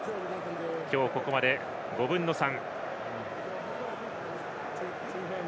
今日ここまで５分の３。